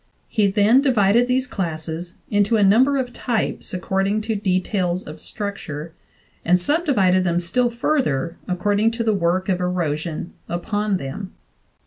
He then divided these classes into a num ber of types according to details of structure, and subdivided them still further according to the work of erosion upon them.